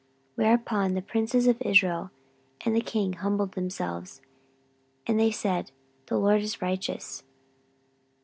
14:012:006 Whereupon the princes of Israel and the king humbled themselves; and they said, The LORD is righteous.